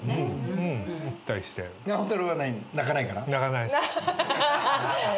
泣かないから？